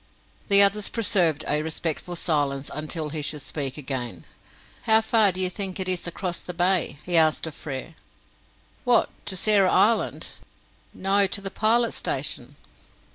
The others preserved a respectful silence until he should speak again. "How far do you think it is across the bay?" he asked of Frere. "What, to Sarah Island?" "No, to the Pilot Station."